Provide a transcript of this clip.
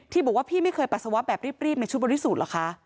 บอกว่าพี่ไม่เคยปัสสาวะแบบรีบในชุดบริสุทธิ์เหรอคะ